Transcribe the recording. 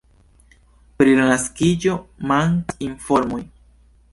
Pri la naskiĝo mankas informoj.